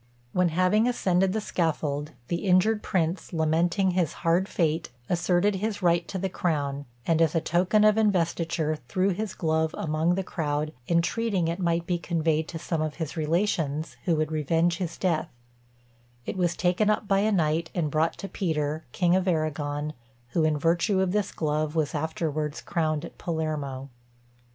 When having ascended the scaffold, the injured prince lamenting his hard fate, asserted his right to the crown, and, as a token of investiture, threw his glove among the crowd, intreating it might be conveyed to some of his relations, who would revenge his death, it was taken up by a knight, and brought to Peter, king of Aragon, who in virtue of this glove was afterwards crowned at Palermo.